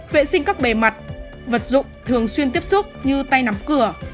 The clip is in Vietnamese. vệ sinh các bề mặt vật dụng thường xuyên tiếp xúc như tay nắm cửa